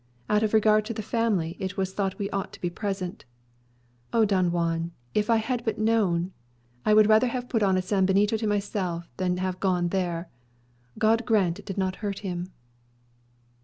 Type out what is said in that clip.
Out of regard to the family, it was thought we ought to be present. O Don Juan, if I had but known! I would rather have put on a sanbenito myself than have gone there. God grant it did not hurt him!"